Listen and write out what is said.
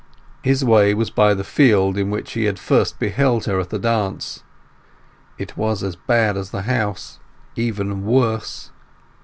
His way was by the field in which he had first beheld her at the dance. It was as bad as the house—even worse.